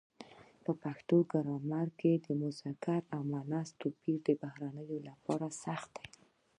په پښتو ګرامر کې د مذکر او مونث توپیر د بهرنیانو لپاره سخت دی.